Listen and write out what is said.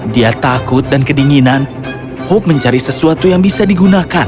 dia takut dan kedinginan hope mencari sesuatu yang bisa digunakan